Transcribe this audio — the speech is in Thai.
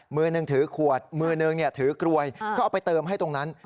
มือหนึ่งถือขวดมือหนึ่งถือกรวยก็เอาไปเติมให้ตรงนั้น